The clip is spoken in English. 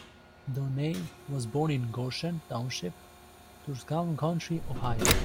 Donahey was born in Goshen Township, Tuscarawas County, Ohio.